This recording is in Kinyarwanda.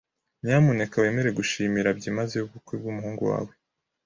Nyamuneka wemere gushimira byimazeyo ubukwe bw'umuhungu wawe.